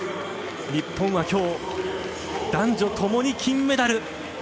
日本は今日男女共に金メダル。